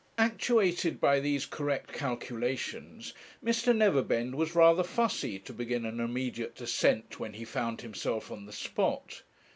Actuated by these correct calculations, Mr. Neverbend was rather fussy to begin an immediate descent when he found himself on the spot.